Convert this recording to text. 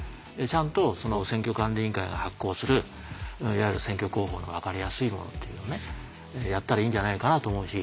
ちゃんと選挙管理委員会が発行するいわゆる選挙公報のわかりやすいものというのをやったらいいんじゃないかなと思うし。